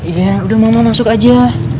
ya udah mama masuk aja